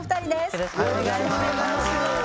よろしくお願いします